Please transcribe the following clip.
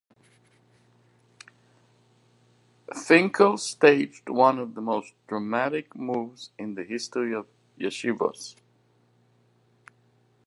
Finkel staged one of the most dramatic moves in the history of yeshivos.